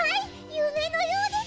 ゆめのようです。